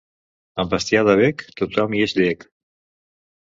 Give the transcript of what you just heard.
Amb bestiar de bec, tothom hi és llec.